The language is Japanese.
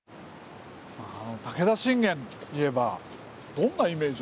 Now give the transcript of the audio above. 武田信玄といえばどんなイメージをお持ちですか？